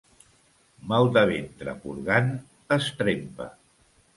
Mal de ventre purgant es trempa.